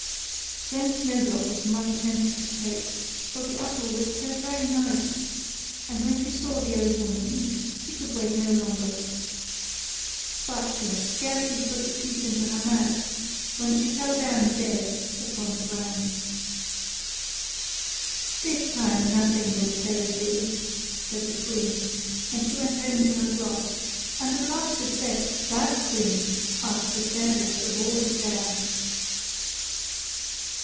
Then Snowdrop was much tempted to taste, for the apple looked so very nice; and when she saw the old woman eat, she could wait no longer. But she had scarcely put the piece into her mouth, when she fell down dead upon the ground. 'This time nothing will save thee,' said the queen; and she went home to her glass, and at last it said: 'Thou, queen, art the fairest of all the fair.